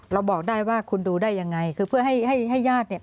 บอกได้ว่าคุณดูได้ยังไงคือเพื่อให้ให้ญาติเนี่ย